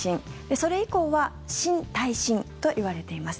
それ以降は新耐震といわれています。